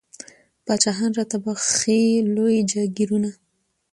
پاچاهان را ته بخښي لوی جاګیرونه